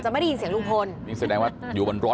ไม่ได้ยินเสียงลุงพลนี่แสดงว่าอยู่บนรถ